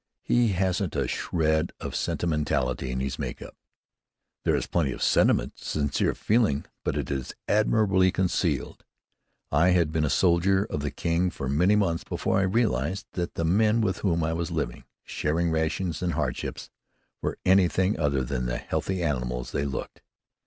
He hasn't a shred of sentimentality in his make up. There is plenty of sentiment, sincere feeling, but it is admirably concealed. I had been a soldier of the King for many months before I realized that the men with whom I was living, sharing rations and hardships, were anything other than the healthy animals they looked.